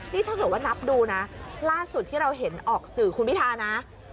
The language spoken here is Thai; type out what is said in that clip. นี่ถ้าเกิดว่านับดูนะล่าสุดที่เราเห็นออกสื่อคุณพิธานะ